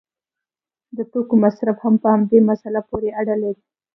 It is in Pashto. د توکو مصرف هم په همدې مسله پورې اړه لري.